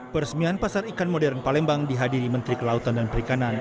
peresmian pasar ikan modern palembang dihadiri menteri kelautan dan perikanan